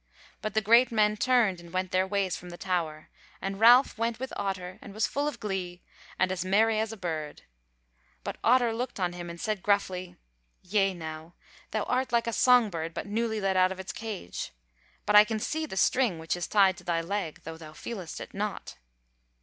But the great men turned and went their ways from the Tower, and Ralph went with Otter and was full of glee, and as merry as a bird. But Otter looked on him, and said gruffly: "Yea now, thou art like a song bird but newly let out of his cage. But I can see the string which is tied to thy leg, though thou feelest it not."